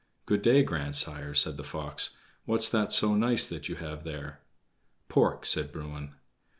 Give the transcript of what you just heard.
"Good day, grandsire," said the fox. "What's that so nice that you have there?" "Pork," said Bruin.